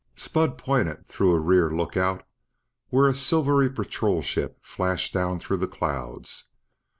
Spud pointed through a rear lookout where a silvery Patrol Ship flashed down through the clouds.